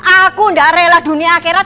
aku tidak rela dunia akhirat